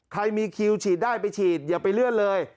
ใครมีคิวฉีดได้ไปฉีดอย่าไปเลื่อนเลย